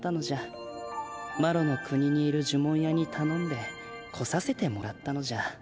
マロの国にいる呪文屋にたのんで来させてもらったのじゃ。